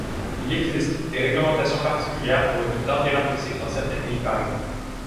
Il existe des réglementations particulières pour le mi-temps thérapeutique dans certains pays par exemple.